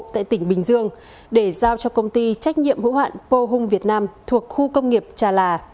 tại tỉnh bình dương để giao cho công ty trách nhiệm hữu hạn pohung việt nam thuộc khu công nghiệp trà là